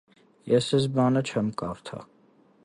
Բաց նույնասեռական է։